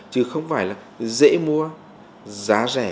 chứ không phải là dễ mua giá rẻ